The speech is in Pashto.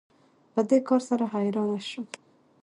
په دې کار سره حیرانه شو